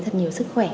thật nhiều sức khỏe